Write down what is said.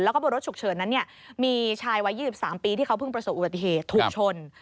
และบทรสฉุกเฉินนั้นมีชายไว้๒๓ปีพึ่งประสบอุบัติเหตุถูกชน